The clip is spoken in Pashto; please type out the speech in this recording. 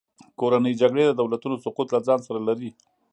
کورنۍ جګړې د دولتونو سقوط له ځان سره لري.